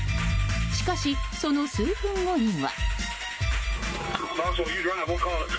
しかし、その数分後には。